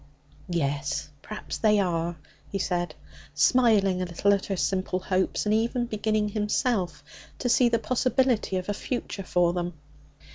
'Yes, perhaps they are,' he said, smiling a little at her simple hopes, and even beginning himself to see the possibility of a future for them.